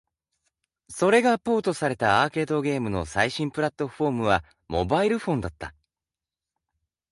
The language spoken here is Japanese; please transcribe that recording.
それがポートされたアーケードゲームの最新プラットフォームはモバイルフォンだった。